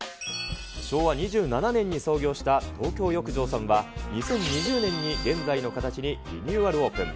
昭和２７年に創業した東京浴場さんは２０２０年に現在の形にリニューアルオープン。